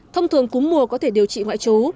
thông thường cúm mùa có thể điều trị ngoại trú